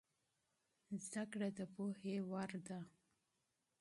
زده کړه د پوهې دروازه ده.